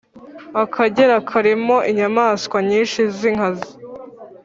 Akagera karimo inyamanswa nyinshi zinkazi